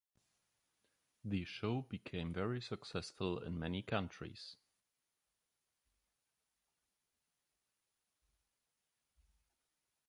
The show became very successful in many countries.